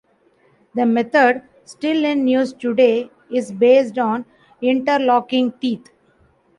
The method, still in use today, is based on interlocking teeth.